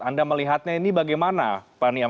anda melihatnya ini bagaimana pak niam